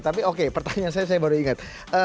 tapi oke pertanyaan saya saya baru ingat